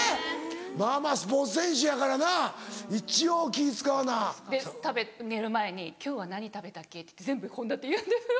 まぁまぁスポーツ選手やからな一応気ぃ使わな。で寝る前に「今日は何食べたっけ？」って全部献立言うんですよ。